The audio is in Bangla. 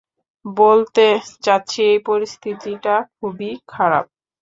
বলতে চাচ্ছি এই পরিস্থিতিটা খুবই খারাপ।